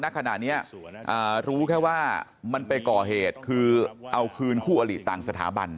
ขณะนี้รู้แค่ว่ามันไปก่อเหตุคือเอาคืนคู่อลิต่างสถาบัน